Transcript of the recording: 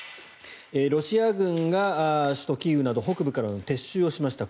ロシア軍が首都キーウなど北部から撤収しました。